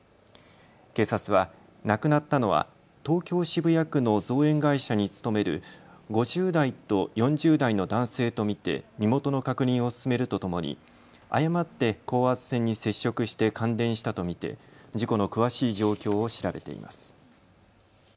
警察は亡くなったのは東京渋谷区の造園会社に勤める５０代と４０代の男性と見て身元の確認を進めるとともに誤って高圧線に接触して感電したと見て事故の詳しい状況を調べています。